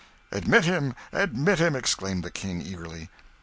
"Admit him, admit him!" exclaimed the King eagerly.